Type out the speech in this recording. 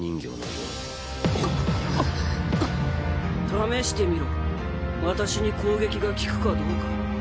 試してみろ私に攻撃が効くかどうか。